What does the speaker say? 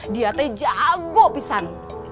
dia teh jago pisan